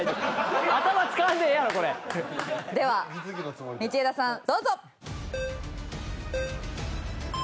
では道枝さんどうぞ。